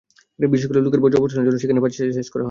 বিশেষ করে লেকের বর্জ্য অপসারণের জন্য সেখানে পানি সেচ করা হয়।